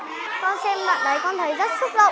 con xem bộ phim đấy con thấy rất xúc động